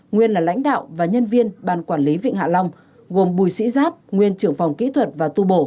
nguyên là lãnh đạo và nhân viên ban quản lý vịnh hạ long gồm bùi sĩ giáp nguyên trưởng phòng kỹ thuật và tu bổ